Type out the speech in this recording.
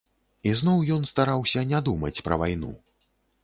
І зноў ён стараўся не думаць пра вайну.